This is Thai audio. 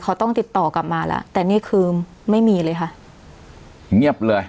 เขาต้องติดต่อกลับมาแล้วแต่นี่คือไม่มีเลยค่ะเงียบเลย